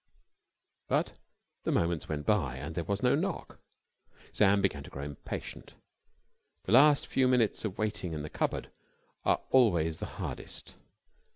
But the moments went by, and there was no knock. Sam began to grow impatient. The last few minutes of waiting in a cupboard are always the hardest.